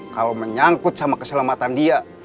kalau menyangkut sama keselamatan dia